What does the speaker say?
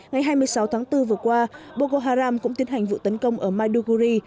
ngày hai mươi sáu tháng bốn vừa qua boko haram cũng tiến hành vụ tấn công ở maiduguri